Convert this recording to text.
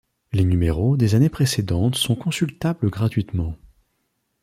Les numéros des années précédentes sont consultables gratuitement.